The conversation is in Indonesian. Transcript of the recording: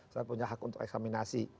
saya punya hak untuk eksaminasi